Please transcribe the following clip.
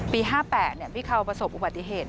ปี๑๙๕๘พี่คราวประสบอุบัติเหตุ